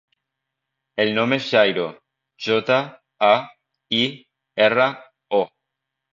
El nom és Jairo: jota, a, i, erra, o.